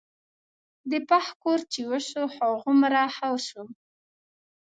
د پښ کور چې وسو هغومره ښه سو.